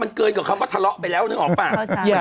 มันเกลลวะคำว่าทะเลาะไปแล้วนึงเอาเปล่า